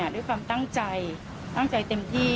ด้วยความตั้งใจตั้งใจเต็มที่